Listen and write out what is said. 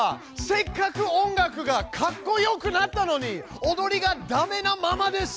せっかく音楽がかっこよくなったのに踊りがダメなままです。